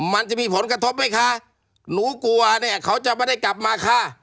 มันจะมีผลกระทบไหมคะหนูกลัวเนี่ยเขาจะไม่ได้กลับมาค่ะ